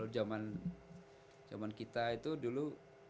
dan zaman kita itu dulu